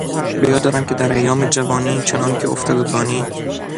به یاد دارم که در ایام جوانی چنانکه افتد و دانی...